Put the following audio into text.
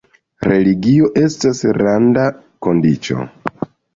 Religio estas randa kondiĉo.